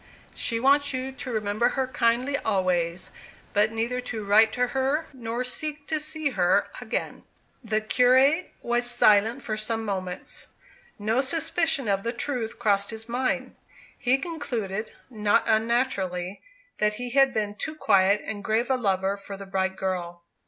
She wants you to remember her kindly always, but neither to write to her, nor seek to see her again." The curate was silent for some moments. No suspicion of the truth crossed his mind. He concluded, not unnaturally, that he had been too quiet and grave a lover for the bright girl.